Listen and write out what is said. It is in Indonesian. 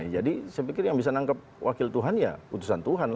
jadi saya pikir yang bisa menangkap wakil tuhan ya utusan tuhan